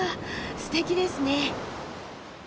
すてきですね。